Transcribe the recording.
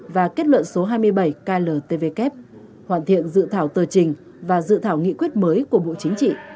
và kết luận số hai mươi bảy kltvk hoàn thiện dự thảo tờ trình và dự thảo nghị quyết mới của bộ chính trị